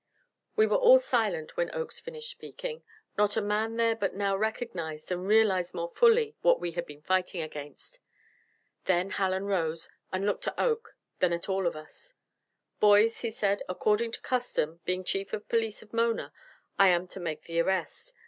We were all silent when Oakes finished speaking. Not a man there but now recognized and realized more fully what we had been fighting against. Then Hallen rose and looked at Oakes, then at all of us. "Boys," he said, "according to custom, being Chief of Police of Mona, I am to make the arrest.